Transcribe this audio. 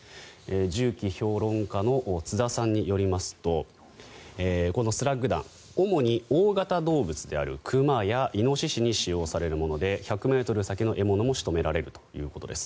銃器評論家の津田さんによりますとこのスラッグ弾主に大型動物である熊やイノシシに使用されるもので１００ｍ先の獲物も仕留められるということです。